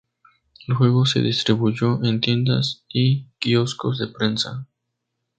El juego se distribuyó en tiendas y quioscos de prensa.